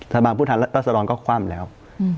สภาพผู้แทนรัศดรก็คว่ำแล้ว